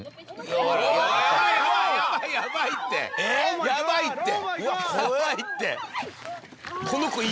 やばいやばいって。